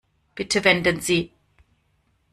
Bitte wenden Sie.